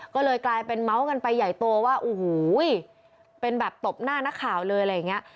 ก็เลยกลายเป็นเมาส์กันไปใหญ่โตว่าโอ้โหเป็นแบบตบหน้านักข่าวเลยอะไรอย่างนี้